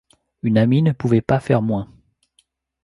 Une amie ne pouvait pas faire moins.